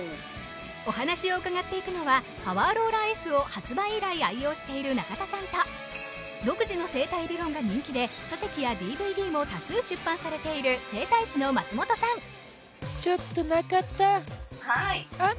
お話を伺っていくのはパワーローラーＳを発売以来愛用している中田さんと独自の整体理論が人気で書籍やＤＶＤも多数出版されている整体師の松本さんはいじゃあいきますよほらあっ